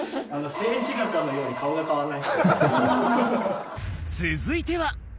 静止画のように顔が変わんな続いては。